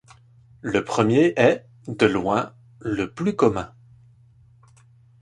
Le premier est, de loin, le plus commun.